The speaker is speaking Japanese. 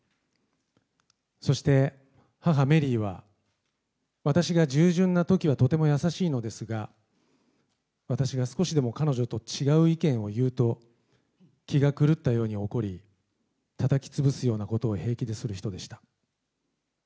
そして母、メリーは、私が従順なときはとても優しいのですが、私が少しでも彼女と違う意見を言うと、気が狂ったように怒り、たたきつぶすようなことを平気でする人でした。